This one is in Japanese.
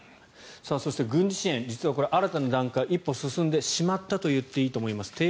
そして、軍事支援実は新たな段階に一歩進んでしまったと言っていいと思います。